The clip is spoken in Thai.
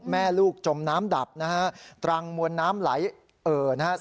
แม่ลูกจมน้ำดับนะฮะตรังมวลน้ำไหลเอ่อนะฮะ